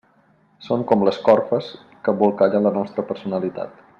Són com les corfes que embolcallen la nostra personalitat.